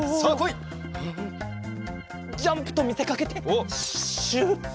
ジャンプとみせかけてシュッ。